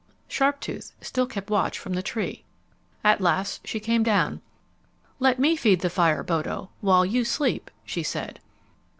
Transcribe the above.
Sharptooth still kept watch from the tree. At last she came down. "Let me feed the fire, Bodo, while you sleep," she said.